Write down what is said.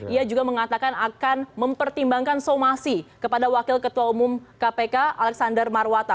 ia juga mengatakan akan mempertimbangkan somasi kepada wakil ketua umum kpk alexander marwata